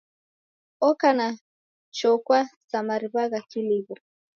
Oka wa chokwa sa mariw'a gha kiliw'o.